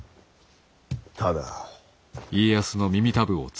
ただ。